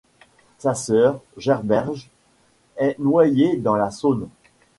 Sa sœur, Gerberge, est noyée dans la Saône.